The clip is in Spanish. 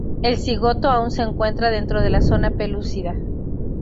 El cigoto aún se encuentra dentro de la zona pelúcida.